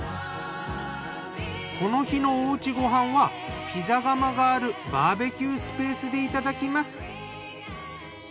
この日のお家ご飯はピザ窯があるバーベキュースペースでいただきます。